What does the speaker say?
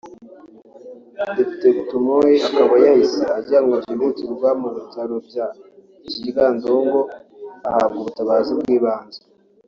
Depite Gutomoi akaba yahise ajyanwa byihutirwa mu Bitaro bya Kiryandongo ahabwa ubutabazi bw’ibanze